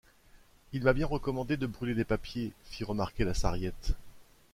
Il m’a bien recommandé de brûler les papiers, fit remarquer la Sarriette.